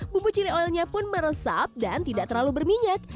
bumbu ciri oilnya pun meresap dan tidak terlalu berminyak